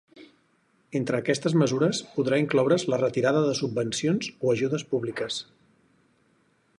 Entre aquestes mesures podrà incloure’s la retirada de subvencions o ajudes públiques.